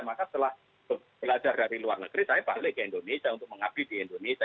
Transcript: maka setelah belajar dari luar negeri saya balik ke indonesia untuk mengabdi di indonesia